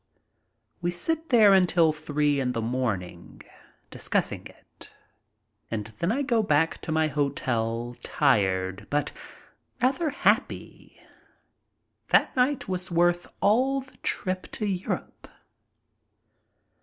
We sit there until three in the morning, discussing it, and then I go back to my hotel tired but rather happy. That night was worth all the trip to Europe.